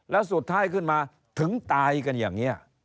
แล้วสุดท้ายขึ้นมาถึงตายกันอย่างนี้